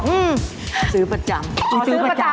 อืมซื้อประจำว่าซื้อประจำด้วย